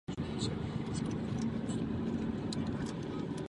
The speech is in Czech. Můžete nám to slíbit, prosím?